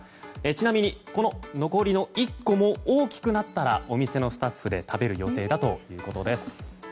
ちなみに、この残りの１個も大きくなったらお店のスタッフで食べる予定だということです。